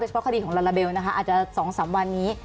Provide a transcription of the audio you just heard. โดยเฉพาะคดีของลาลาเบลอาจจะ๒๓วันนี้